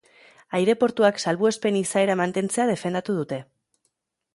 Aireportuak salbuespen izaera mantentzea defendatu dute.